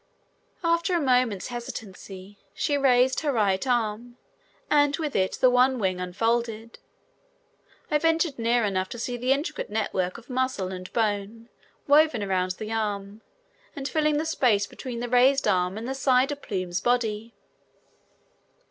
After a moment's hesitancy she raised her right arm and with it the one wing unfolded. I ventured near enough to see the intricate network of muscle and bone woven around the arm and filling the space between the raised arm and the side of Plume's body.